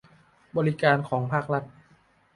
บริการของภาครัฐ